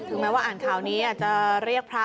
แม้ว่าอ่านข่าวนี้อาจจะเรียกพระ